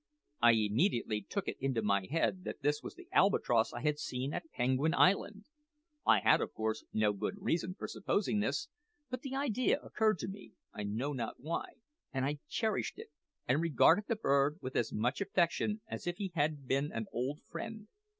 I immediately took it into my head that this was the albatross I had seen at Penguin Island. I had, of course, no good reason for supposing this; but the idea occurred to me, I know not why, and I cherished it, and regarded the bird with as much affection as if he had been an old friend.